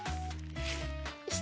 よし。